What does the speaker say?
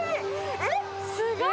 えっ、すごい。